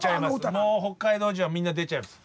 もう北海道人はみんな出ちゃいます。